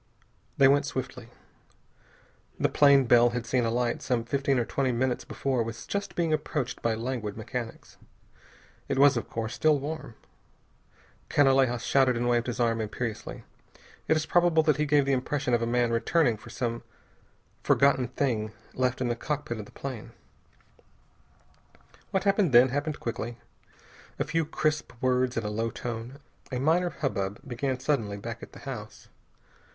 They went swiftly. The plane Bell had seen alight some fifteen or twenty minutes before was just being approached by languid mechanics. It was, of course, still warm. Canalejas shouted and waved his arm imperiously. It is probable that he gave the impression of a man returning for some forgotten thing, left in the cockpit of the plane. What happened then, happened quickly. A few crisp words in a low tone. A minor hubbub began suddenly back at the house.